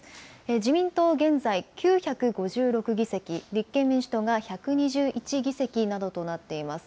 自民党、現在、９５６議席、立憲民主党が１２１議席などとなっています。